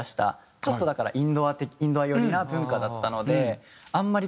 ちょっとだからインドア寄りな文化だったのであんまり